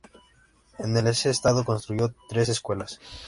En ese estado construyó tres escuelas.